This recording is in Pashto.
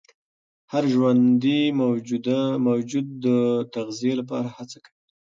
هر ژوندي موجود د تغذیې لپاره هڅه کوي.